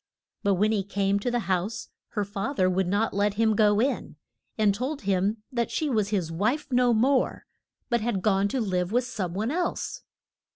But when he came to the house her fath er would not let him go in, and told him that she was his wife no more, but had gone to live with some one else.